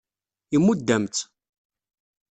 Imudd-am-tt.